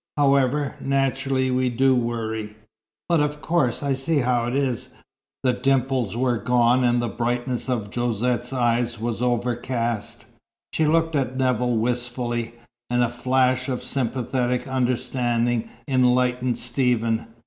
However, naturally we do worry." "But of course. I see how it is." The dimples were gone, and the brightness of Josette's eyes was overcast. She looked at Nevill wistfully, and a flash of sympathetic understanding enlightened Stephen.